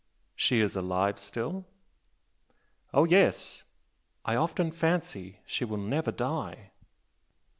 "She is alive still?" "Oh, yes! I often fancy she will never die!"